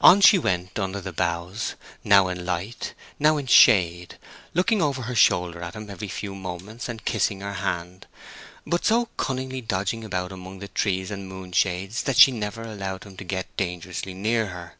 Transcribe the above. On she went under the boughs, now in light, now in shade, looking over her shoulder at him every few moments and kissing her hand; but so cunningly dodging about among the trees and moon shades that she never allowed him to get dangerously near her.